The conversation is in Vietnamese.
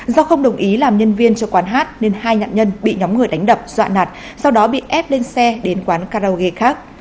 do không đồng ý làm nhân viên cho quán hát nên hai nạn nhân bị nhóm người đánh đập dọa nạt sau đó bị ép lên xe đến quán karaoke khác